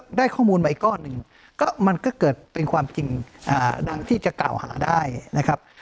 ได้ข้อมูลมาอีกก้อนหนึ่งก็มันก็เกิดเป็นความจริงดังที่จะกล่าวหาได้นะครับ